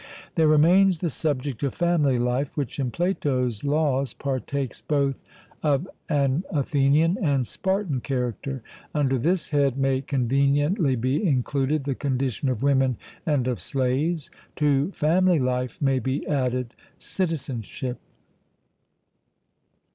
There remains the subject of family life, which in Plato's Laws partakes both of an Athenian and Spartan character. Under this head may conveniently be included the condition of women and of slaves. To family life may be added citizenship.